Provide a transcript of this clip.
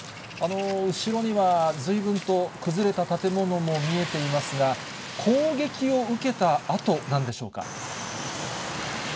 後ろには、ずいぶんと崩れた建物も見えていますが、攻撃を受けたあとなんでしょうか。